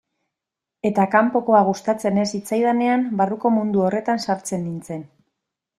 Eta kanpokoa gustatzen ez zitzaidanean, barruko mundu horretan sartzen nintzen.